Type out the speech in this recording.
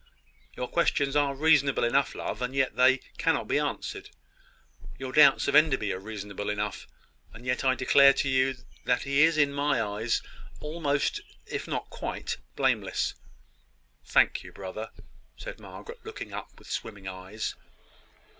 Your questions are reasonable enough, love, and yet they cannot be answered. Your doubts of Enderby are reasonable enough; and yet I declare to you that he is in my eyes almost, if not quite, blameless." "Thank you, brother!" said Margaret, looking up with swimming eyes.